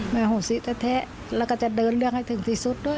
โหสิแท้แล้วก็จะเดินเรื่องให้ถึงที่สุดด้วย